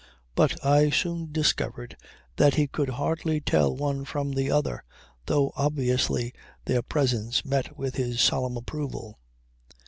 But I soon discovered that he could hardly tell one from the other, though obviously their presence met with his solemn approval.